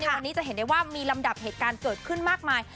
วันนี้จะเห็นได้ว่ามีลำดับเหตุการณ์เกิดขึ้นมากมาย